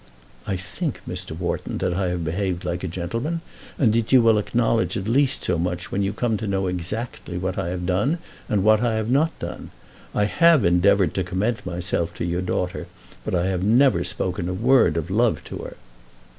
"I think, Mr. Wharton, that I have behaved like a gentleman; and that you will acknowledge at least so much when you come to know exactly what I have done and what I have not done. I have endeavoured to commend myself to your daughter, but I have never spoken a word of love to her."